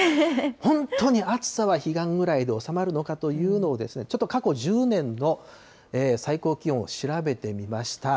本当に暑さは彼岸ぐらいで収まるのかというのを、ちょっと過去１０年の最高気温を調べてみました。